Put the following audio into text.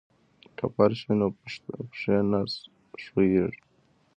که فرش وي نو پښې نه ښویېږي.